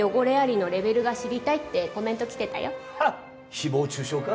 誹謗中傷か？